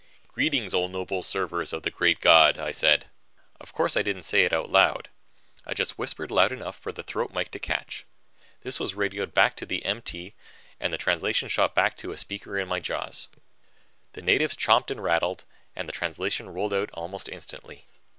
"Greetings, O noble servers of the Great God," I said. Of course I didn't say it out loud, just whispered loud enough for the throat mike to catch. This was radioed back to the MT and the translation shot back to a speaker in my jaws. The natives chomped and rattled and the translation rolled out almost instantly.